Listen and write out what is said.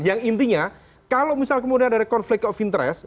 yang intinya kalau misal kemudian ada konflik of interest